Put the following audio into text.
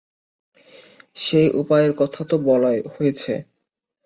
সেই উপায়ের কথাই তো হইতেছে।